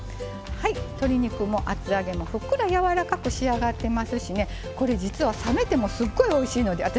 鶏肉も厚揚げもふっくら柔らかく仕上がってますしねこれ実は冷めてもすっごいおいしいので私